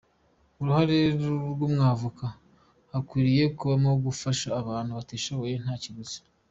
Uruhare rw’Umwavoka, hakwiriye kubamo gufasha abantu batishoboye nta kiguzi.